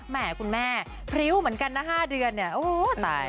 แม่คุณแม่พริ้วเหมือนกันนะ๕เดือนเนี่ยโอ้ยตาย